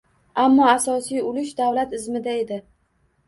Ammo asosiy ulush davlat izmida edi.